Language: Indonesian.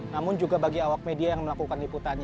namun juga bagi awak media yang melakukan liputannya